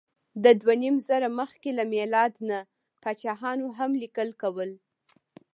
د دوهنیمزره مخکې له میلاد نه پاچاهانو هم لیکل کول.